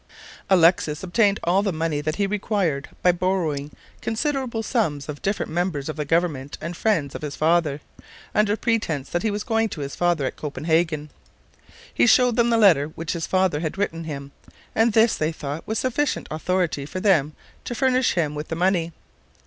Alexis obtained all the money that he required by borrowing considerable sums of the different members of the government and friends of his father, under pretense that he was going to his father at Copenhagen. He showed them the letter which his father had written him, and this, they thought, was sufficient authority for them to furnish him with the money.